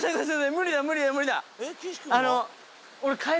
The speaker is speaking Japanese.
無理だ無理だ無理だ！